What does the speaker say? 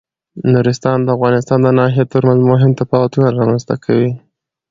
نورستان د افغانستان د ناحیو ترمنځ مهم تفاوتونه رامنځ ته کوي.